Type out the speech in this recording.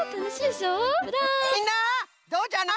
みんなどうじゃな？